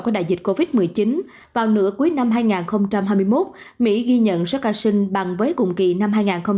của đại dịch covid một mươi chín vào nửa cuối năm hai nghìn hai mươi một mỹ ghi nhận số ca sinh bằng với cùng kỳ năm hai nghìn hai mươi